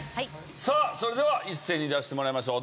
さあそれでは一斉に出してもらいましょう。